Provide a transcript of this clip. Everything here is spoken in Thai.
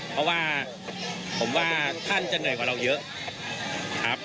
เพราะว่าผมว่าท่านจะเหนื่อยกว่าเราเยอะครับ